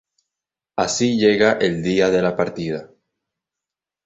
Así llega el día de la partida.